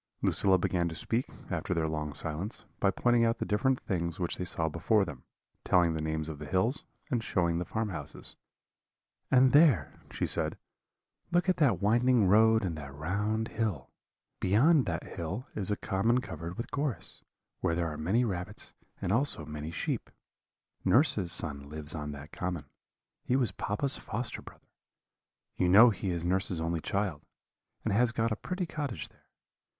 "Lucilla began to speak, after their long silence, by pointing out the different things which they saw before them, telling the names of the hills, and showing the farm houses. "'And there,' she said, 'look at that winding road and that round hill. Beyond that hill is a common covered with gorse, where there are many rabbits, and also many sheep. Nurse's son lives on that common: he was papa's foster brother. You know he is nurse's only child, and has got a pretty cottage there.